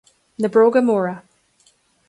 Na bróga móra